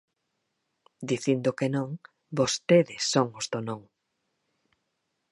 Dicindo que non, ¡vostedes son os do non!